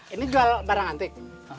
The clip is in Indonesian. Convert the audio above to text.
ini jual barang antik